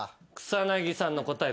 草薙さんの答え